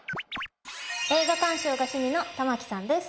映画鑑賞が趣味の玉木さんです。